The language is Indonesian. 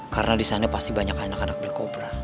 karena di sana pasti banyak anak anak black cobra